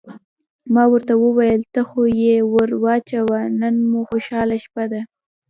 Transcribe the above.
ما ورته وویل: ته خو یې ور واچوه، نن مو خوشحاله شپه ده.